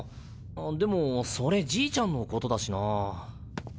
でもそれじいちゃんのことだしなぁ。